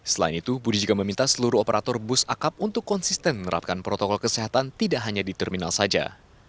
selain itu budi juga meminta seluruh operator bus akap untuk konsisten menerapkan protokol kesehatan tidak hanya di terminal saja